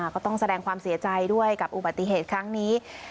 ก็ต้องแสดงความเสียใจด้วยกับอุบัติเหตุครั้งนี้